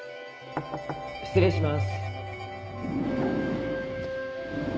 ・失礼します